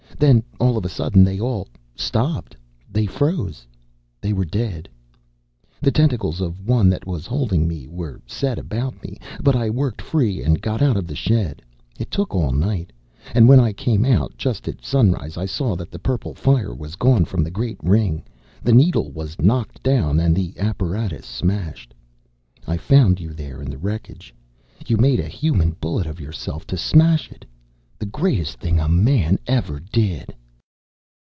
Then, all of a sudden, they all stopped! They froze! They were dead! "The tentacles of the one that was holding me were set about me. But I worked free, and got out of the shed. It took all night. And when I came out, just at sunrise, I saw that the purple fire was gone from the great ring. The needle was knocked down, and the apparatus smashed. "I found you there in the wreckage. You made a human bullet of yourself to smash it! The greatest thing a man ever did!"